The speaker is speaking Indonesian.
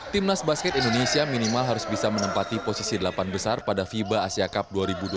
timnas basket indonesia minimal harus bisa menempati posisi delapan besar pada fiba asia cup dua ribu dua puluh